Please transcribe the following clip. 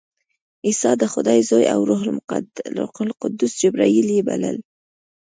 عیسی د خدای زوی او روح القدس جبراییل یې بلل.